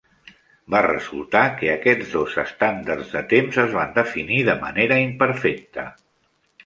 Va resultar que aquests dos estàndards de temps es van definir de manera imperfecta.